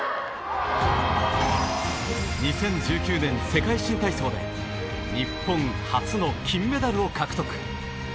２０１９年、世界新体操で日本初の金メダルを獲得。